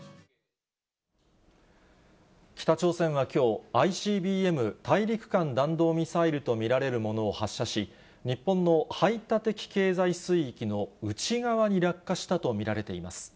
北朝鮮はきょう、ＩＣＢＭ・大陸間弾道ミサイルと見られるものを発射し、日本の排他的経済水域の内側に落下したと見られています。